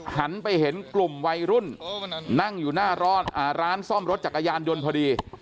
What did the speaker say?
หันไปเห็นกลุ่มวัยรุ่นนั่งอยู่หน้าร้านซ่อมรถจักรยานยนต์พอดี